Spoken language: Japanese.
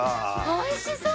おいしそう！